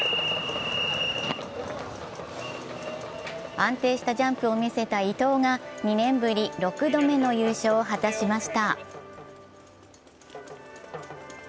安定したジャンプを見せた伊藤が２年ぶり６度目の優勝を果たしました。